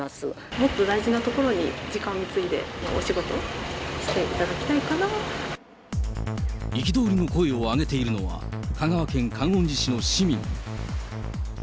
もっと大事なところに時間を費やしてお仕事していただきたい憤りの声を上げているのは、香川県観音寺市の市民。